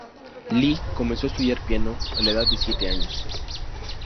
Li comenzó a estudiar piano a la edad de siete años.